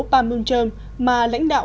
bàn muôn trờm mà lãnh đạo